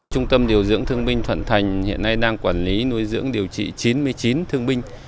trung tâm điều dưỡng thương binh thuận thành hiện nay đang quản lý nuôi dưỡng điều trị chín mươi chín thương binh